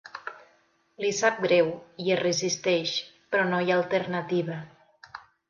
Li sap greu i es resisteix, però no hi ha alternativa.